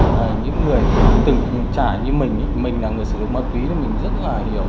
những người từng trải như mình mình là người sử dụng ma túy nên mình rất là hiểu